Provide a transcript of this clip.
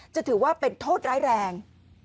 จะถือว่าเป็นโทษร้ายแรง